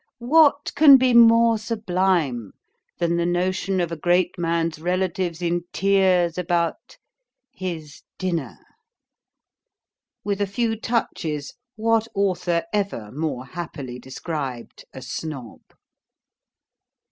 What can be more sublime than the notion of a great man's relatives in tears about his dinner? With a few touches, what author ever more happily described A Snob?